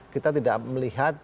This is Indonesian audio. kita tidak melihatnya